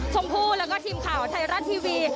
ชมพู่แล้วก็ทีมข่าวไทยรัฐทีวี